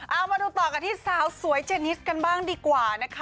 เอามาดูต่อกันที่สาวสวยเจนิสกันบ้างดีกว่านะคะ